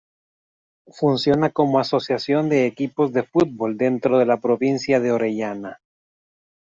Funciona como asociación de equipos de fútbol dentro de la Provincia de Orellana.